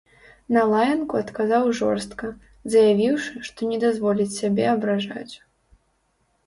На лаянку адказаў жорстка, заявіўшы, што не дазволіць сябе абражаць.